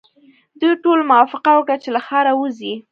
دوی ټولو موافقه وکړه چې له ښاره وځي.